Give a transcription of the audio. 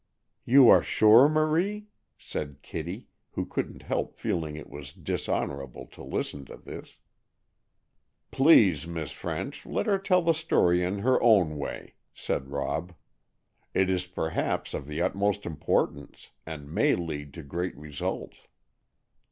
"You are sure, Marie?" said Kitty, who couldn't help feeling it was dishonorable to listen to this. "Please, Miss French, let her tell the story in her own way," said Rob. "It is perhaps of the utmost importance, and may lead to great results."